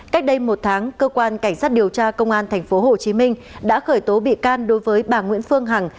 cách đây một tháng cơ quan cảnh sát điều tra công an tp hcm đã khởi tố bị can đối với bà nguyễn phương hằng